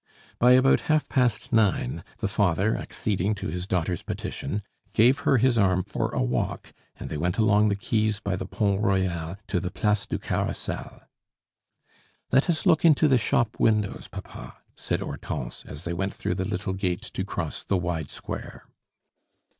By about half past nine, the father, acceding to his daughter's petition, gave her his arm for a walk, and they went along the quays by the Pont Royal to the Place du Carrousel. "Let us look into the shop windows, papa," said Hortense, as they went through the little gate to cross the wide square.